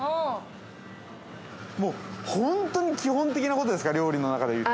もう本当に基本的なことですか、料理の中で言うと。